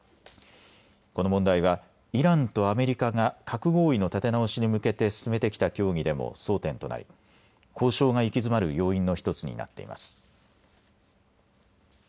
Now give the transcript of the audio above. この問題はイランとアメリカが核合意の立て直しに向けて進めてきた協議でも争点となり、交渉が行き詰まる要因の１つになっています。